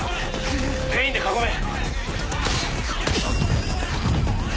全員で囲め。